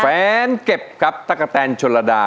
แฟนคลับครับตะกะแตนชนระดา